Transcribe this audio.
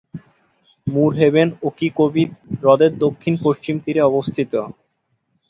মুর Haven Okeechobee হ্রদের দক্ষিণ-পশ্চিম তীরে অবস্থিত।